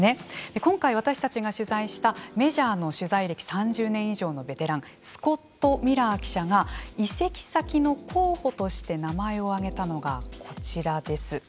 今回私たちが取材したメジャーの取材歴３０年以上のベテランスコット・ミラー記者が移籍先の候補として名前を挙げたのがこちらです。